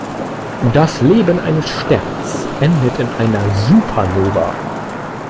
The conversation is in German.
Das Leben eines Sterns endet in einer Supernova.